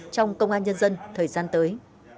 thưa dân thời gian tới